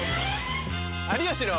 「有吉の」。